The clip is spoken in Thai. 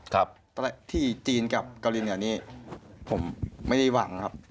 แต่ที่จีนกับเกาหลีเหนือนี้ผมไม่ได้หวังครับ